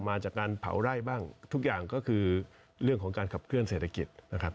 มาจากการเผาไร่บ้างทุกอย่างก็คือเรื่องของการขับเคลื่อเศรษฐกิจนะครับ